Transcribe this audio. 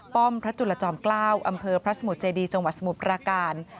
พระจุลจอมเกล้าอำเภอพระสมุทรเจดีจังหวัดสมุทรปราการ